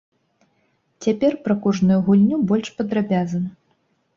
Цяпер пра кожную гульню больш падрабязна.